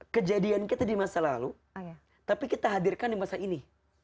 kejadian kita di masa lalu tapi kita hadirkan di masa ini